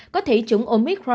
có thỉ trụng omicron